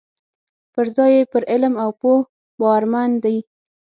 پر ځای یې پر علم او پوه باورمن دي.